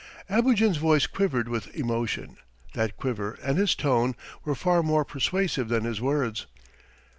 Abogin's voice quivered with emotion; that quiver and his tone were far more persuasive than his words.